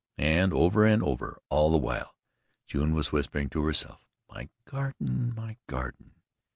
And, over and over all the while, June was whispering to herself: "My garden MY garden!"